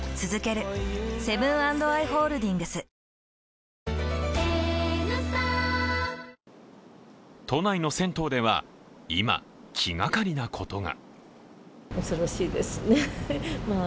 今、悩みの種が都内の銭湯では、今気がかりなことが。